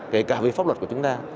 kể cả về pháp luật của chúng ta